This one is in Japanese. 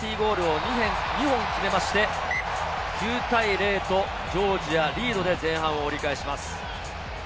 その後もペナルティーゴールを２本決めて９対０とジョージアリードで前半を折り返します。